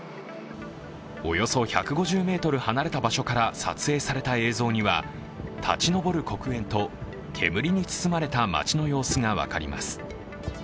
およそ１５０ｍ離れた場所から撮影された映像には立ち上る黒煙と煙に包まれた街の様子が分かります。